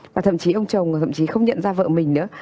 và thậm chí ông chồng thậm chí không nhận ra vợ mình nữa